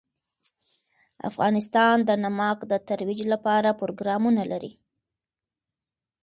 افغانستان د نمک د ترویج لپاره پروګرامونه لري.